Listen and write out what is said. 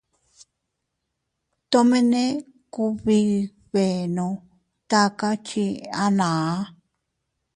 Tomene kubidbenno taka chii anaa.